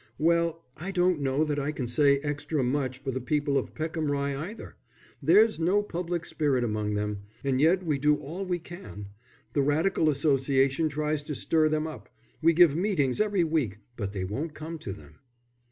"Well, I don't know that I can say extra much for the people of Peckham Rye either. There's no public spirit among them. And yet we do all we can; the Radical Association tries to stir them up. We give meetings every week but they won't come to them."